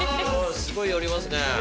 すごい寄りますね。